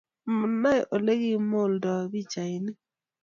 Manaae olegimoldoi pikchainik